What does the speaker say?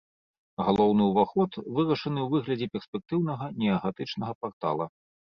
Галоўны ўваход вырашаны ў выглядзе перспектыўнага неагатычнага партала.